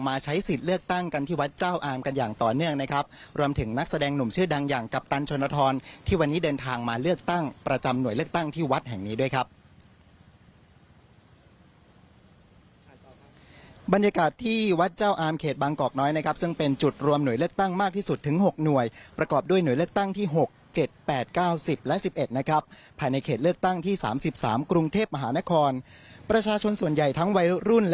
เลือกตั้งกันที่วัดเจ้าอามกันอย่างต่อเนื่องนะครับรวมถึงนักแสดงหนุ่มชื่อดังอย่างกัปตันชนทรที่วันนี้เดินทางมาเลือกตั้งประจำหน่วยเลือกตั้งที่วัดแห่งนี้ด้วยครับบรรยากาศที่วัดเจ้าอามเขตบางกอกน้อยนะครับซึ่งเป็นจุดรวมหน่วยเลือกตั้งมากที่สุดถึง๖หน่วยประกอบด้วยหน่วยเลือกตั้งที่๖๗๘๙๐และ๑๑นะครับ